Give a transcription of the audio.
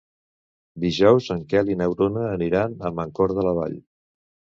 Dijous en Quel i na Bruna aniran a Mancor de la Vall.